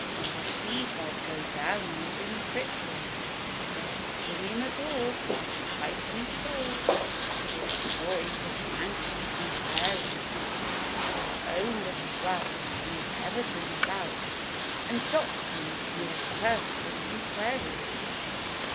Then I see Bob, go down when Jim tripped 'im. There's Jimmy McGraw, with his pipe in his paw, With his stories of banschees and fairies; And our own "Little Welt," from the Evergreen belt. And Dotsons, ne'er cursed with contraries.